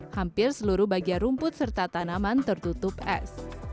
hampir seluruh bagian rumput serta tanaman tertutup es